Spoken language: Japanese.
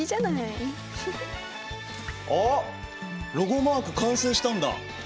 あっロゴマーク完成したんだ。